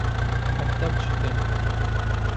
ئاپتاپ چىقتى